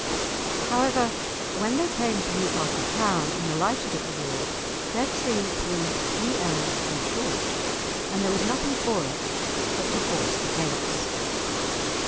However, when they came to Newcastle town and alighted at the wall, their tree proved three ells too short, and there was nothing for it but to force the gates.